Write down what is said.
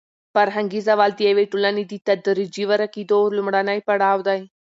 فرهنګي زوال د یوې ټولنې د تدریجي ورکېدو لومړنی پړاو دی.